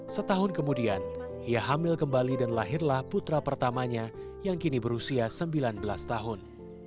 setahun kemudian ia hamil kembali dan lahirlah putra pertamanya yang kini berusia sembilan belas tahun